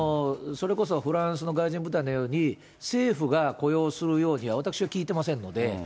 それこそフランスの外人部隊のように、政府が雇用するようには私は聞いてませんので。